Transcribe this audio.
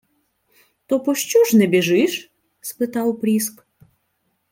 — То пощо ж не біжиш? — спитав Пріск.